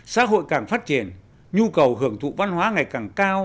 xã hội càng phát triển nhu cầu hưởng thụ văn hóa ngày càng cao